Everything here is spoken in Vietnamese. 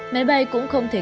máy bay cũng không thể bay